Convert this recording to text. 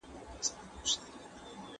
د نفاق پر ضد یې مبارزه وکړه